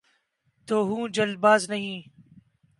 تو ہوں‘ جلد باز نہیں۔